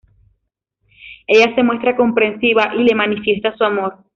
Ella se muestra comprensiva y le manifiesta su amor.